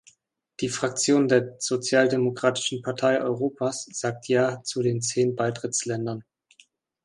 Die Fraktion der Sozialdemokratischen Partei Europas sagt Ja zu den zehn Beitrittsländern.